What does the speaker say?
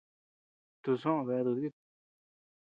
Tusoʼö bea dúdut.